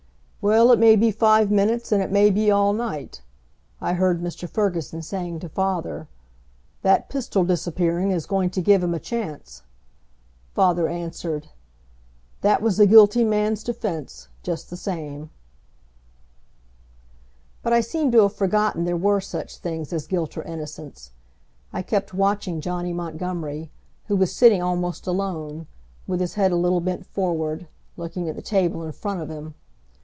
"Well, it may be five minutes, and it may be all night," I heard Mr. Ferguson saying to father. "That pistol disappearing is going to give him a chance." Father answered, "That was a guilty man's defense, just the same." But I seemed to have forgotten there were such things as guilt or innocence. I kept watching Johnny Montgomery, who was sitting almost alone, with his head a little bent forward, looking at the table in front of him.